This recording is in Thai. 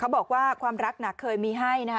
บอกว่าความรักเคยมีให้นะคะ